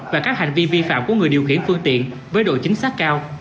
và các hành vi vi phạm của người điều khiển phương tiện với độ chính xác cao